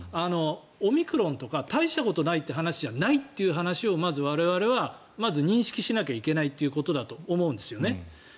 オミクロンとか、大したことないという話ではないということをまず我々は認識しなければいけないということだと思うんです。